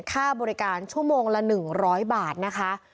ค่าบริการชั่วโมงละ๑๐๐บาทนะคะ